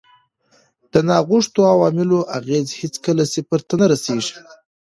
د ناغوښتو عواملو اغېز هېڅکله صفر ته نه رسیږي.